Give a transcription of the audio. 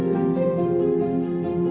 mencoba untuk mencoba